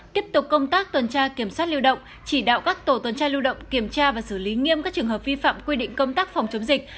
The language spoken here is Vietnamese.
tiếp tục công tác tuần tra kiểm soát lưu động chỉ đạo các tổ tuần tra lưu động kiểm tra và xử lý nghiêm các trường hợp vi phạm quy định công tác phòng chống dịch